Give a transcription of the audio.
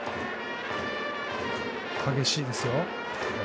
激しいですよ。